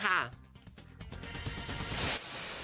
หนูแทบจะไม่ใช่ลูกแล้ว